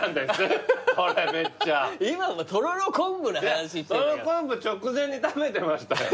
とろろ昆布直前に食べてましたよ。